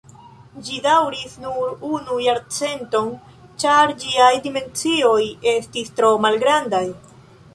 Ĝi daŭris nur unu jarcenton, ĉar ĝiaj dimensioj estis tro malgrandaj.